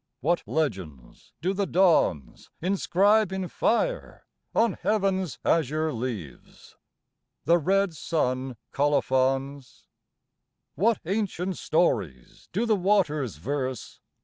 What legends do the dawns Inscribe in fire on Heaven's azure leaves, The red sun colophons?_ _What ancient Stories do the waters verse?